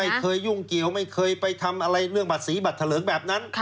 ยุ่งเกี่ยวไม่เคยไปทำอะไรเรื่องบัตรสีบัตรเถลิงแบบนั้น